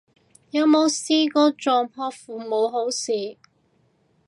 有冇試過撞破父母好事